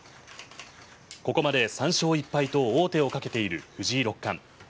ここまで３勝１敗と王手をかけている藤井六冠。